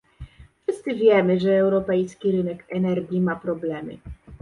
Wszyscy wiemy, że europejski rynek energii ma problemy